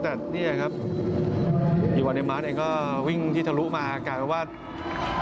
แต่นี่แหละครับอีวัลด้ายมาร์สเองก็วิ่งที่ทะลุมากลายเป็นว่า